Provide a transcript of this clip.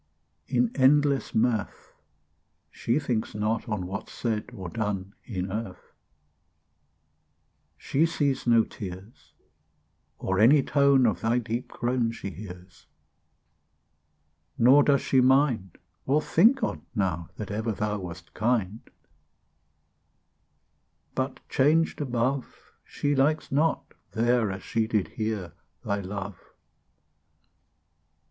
In endless mirth, She thinks not on What's said or done In earth: She sees no tears, Or any tone Of thy deep groan She hears; Nor does she mind, Or think on't now, That ever thou Wast kind: But changed above, She likes not there, As she did here, Thy love.